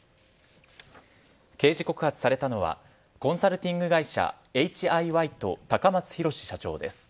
刑事告発されたのはコンサルティング会社エイチ・アイ・ワイと高松洋社長です。